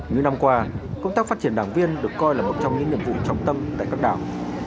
những năm qua công tác phát triển đảng viên được coi là một trong những nhiệm vụ trọng tâm tại các đảo